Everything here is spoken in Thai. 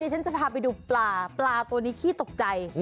ฉันจะพาไปดูปลาปลาตัวนี้ขี้ตกใจ